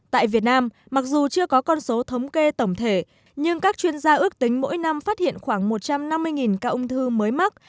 tại việt nam mặc dù chưa có con số thống kê tổng thể nhưng các chuyên gia ước tính mỗi năm phát hiện khoảng một trăm năm mươi ca ung thư mới mắc